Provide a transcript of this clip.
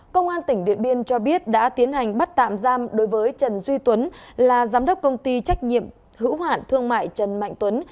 công an tỉnh điện biên cho biết đã tiến hành bắt tạm giam đối với trần duy tuấn là giám đốc công ty trách nhiệm hữu hoạn thương mại trần mạnh tuấn